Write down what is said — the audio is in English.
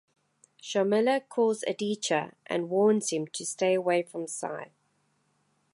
Sharmila calls Aditya and warns him to stay away from Sai.